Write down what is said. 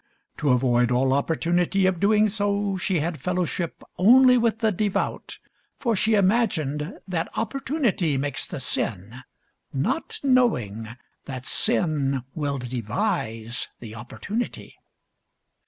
To avoid all opportunity of doing so, she had fellowship only with the devout, for she imagined that opportunity makes the sin, not knowing that sin will devise the opportunity.